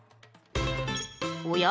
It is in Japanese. おや？